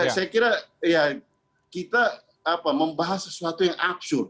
saya kira ya kita apa membahas sesuatu yang absurd